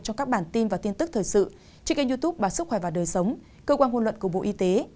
trong các bản tin và tin tức thời sự trên kênh youtube bà sức khỏe và đời sống cơ quan ngôn luận của bộ y tế